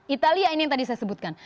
italia ini yang tadi saya sebutkan